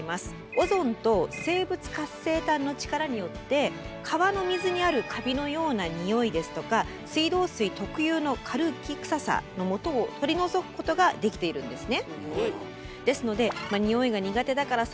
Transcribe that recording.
オゾンと生物活性炭の力によって川の水にあるカビのようなにおいですとか水道水特有のカルキ臭さのもとを取り除くことができているんですね。